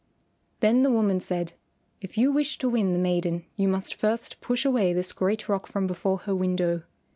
Then the woman said, "If you wish to win the maiden you must first push away this great rock from before her window.